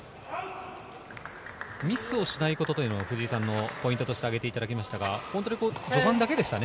ミスをしないことというのが、藤井さんのポイントとして挙げてもらいましたが、序盤だけでしたね。